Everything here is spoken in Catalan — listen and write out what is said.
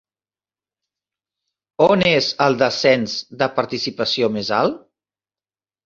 On és el descens de participació més alt?